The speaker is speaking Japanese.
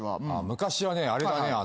昔はねあれだね